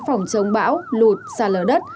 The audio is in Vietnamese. phòng chống bão lụt xa lở đất